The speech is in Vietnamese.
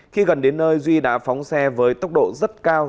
khi gần đến nơi duy đã phóng xe với tốc độ rất cao